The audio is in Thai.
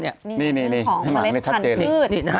นี่นี่นี่ให้หมายเล็กชัดเจน